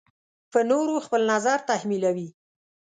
په نورو خپل نظر تحمیلوي.